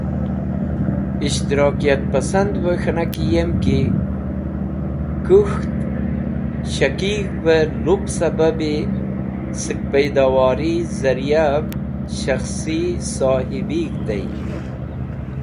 Ishtirakiyat Pasandve K̃hinaki yemki Kuk̃ht Shakig̃hve Lup Sababi Sek Paidowori Zarayev Shakhsi Sohibig̃h tey.